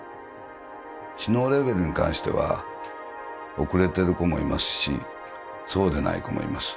知能レベルは遅れてる子もいますそうでない子もいます